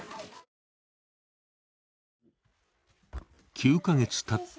９カ月たった